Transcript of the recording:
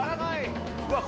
「うわっ！